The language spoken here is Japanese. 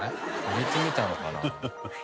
入れてみたのかな？